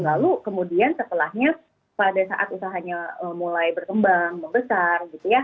lalu kemudian setelahnya pada saat usahanya mulai berkembang membesar